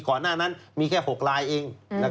หน้านั้นมีแค่๖ลายเอง